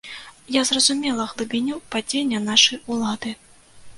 Я зразумела глыбіню падзення нашай улады.